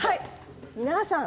皆さん